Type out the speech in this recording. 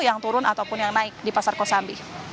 yang turun ataupun yang naik di pasar kosambi